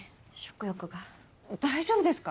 大丈夫ですか？